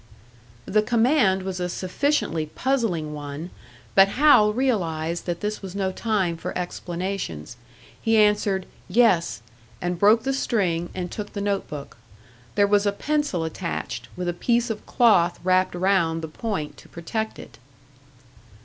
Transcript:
The command was a sufficiently puzzling one, but Hal realised that this was no time for explanations. He answered, "Yes," and broke the string and took the notebook. There was a pencil attached, with a piece of cloth wrapped round the point to protect it.